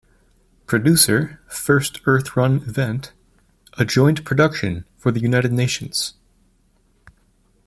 Producer, First Earth Run event, a joint production for the United Nations.